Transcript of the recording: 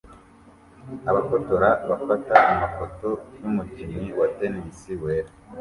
Abafotora bafata amafoto yumukinnyi wa tennis wera